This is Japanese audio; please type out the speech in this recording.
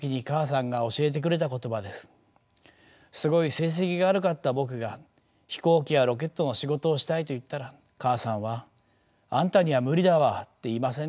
すごい成績が悪かった僕が飛行機やロケットの仕事をしたいと言ったら母さんは「あんたには無理だわ」って言いませんでした。